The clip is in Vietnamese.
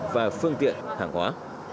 và phương tiện hạng hóa